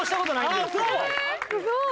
すごい！